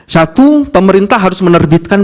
satu pemerintah harus menerbitkan